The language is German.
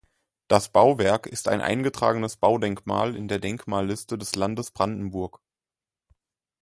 Das Bauwerk ist ein eingetragenes Baudenkmal in der Denkmalliste des Landes Brandenburg.